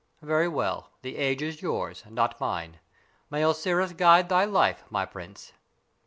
Very well; the age is yours, not mine. May Osiris guide thy life, my prince!"